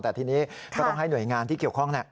แต่ทีนี้ก็ต้องให้หน่วยงานที่เกี่ยวข้อง